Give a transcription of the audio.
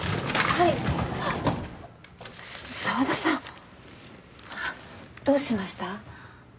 はいあっ沢田さんどうしました？